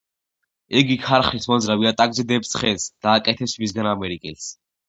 იგი ქარხნის მოძრავ იატაკზე დებს ცხენს და აკეთებს მისგან ამერიკელს.